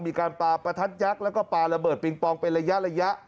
มีการปลาประทัดยักษ์แล้วก็ปลาระเบิดปิงปองเป็นระยะ